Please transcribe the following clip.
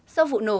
sau vụ nổ